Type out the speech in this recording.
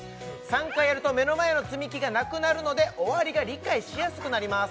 ３回やると目の前の積み木がなくなるので終わりが理解しやすくなります